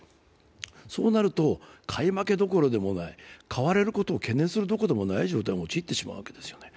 そうなると、買い負けどころでもない、買われることを懸念するどころでもない事態に陥ってしまうわけですよね。